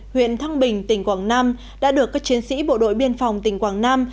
huyện thăng bình tỉnh quảng nam đã được các chiến sĩ bộ đội biên phòng tỉnh quảng nam